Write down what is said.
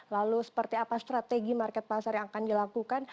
lalu seperti apa strategi market pasar yang akan dilakukan